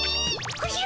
おじゃ。